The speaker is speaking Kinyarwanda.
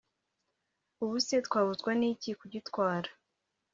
ubuse twabuzwa n’iki kugitwara